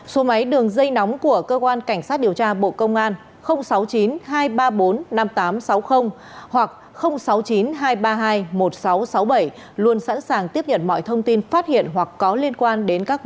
số máy đường dây nóng của cơ quan cảnh sát điều tra bộ công an sáu mươi chín hai trăm ba mươi bốn năm nghìn tám trăm sáu mươi hoặc sáu mươi chín hai trăm ba mươi hai một nghìn sáu trăm sáu mươi bảy luôn sẵn sàng tiếp nhận mọi thông tin